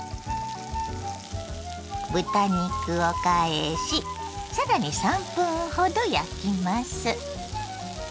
豚肉を返しさらに３分ほど焼きます。